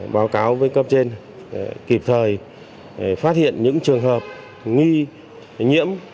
báo cáo với cấp trên kịp thời phát hiện những trường hợp nghi nhiễm